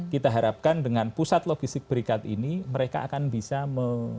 kita harapkan dengan pusat logistik berikat ini mereka akan bisa membawa kembali ke industri